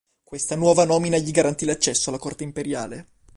Questa nuova nomina gli garantì l'accesso alla corte imperiale.